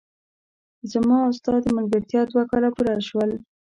زما او ستا د ملګرتیا دوه کاله پوره شول!